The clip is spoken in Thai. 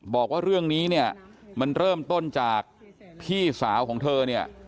บอกว่าเรื่องนี้เนี่ยมันเริ่มต้นจากพี่สาวของเธอเนี่ย